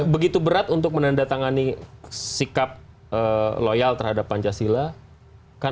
begitu berat untuk menandatangani sikap loyal terhadap pancasila